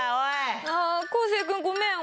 あ昴生君ごめん。